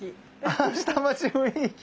あ下町雰囲気。